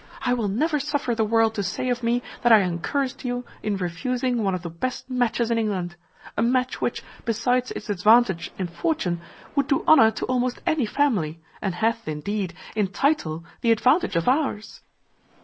I will never suffer the world to say of me that I encouraged you in refusing one of the best matches in England; a match which, besides its advantage in fortune, would do honour to almost any family, and hath, indeed, in title, the advantage of ours."